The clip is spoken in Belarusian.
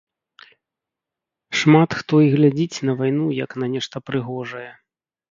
Шмат хто і глядзіць на вайну як на нешта прыгожае.